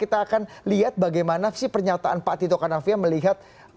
kita akan lihat bagaimana sih pernyataan pak tito karnavia melihat